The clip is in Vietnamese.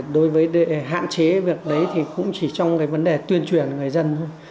đối với hạn chế việc đấy thì cũng chỉ trong cái vấn đề tuyên truyền người dân thôi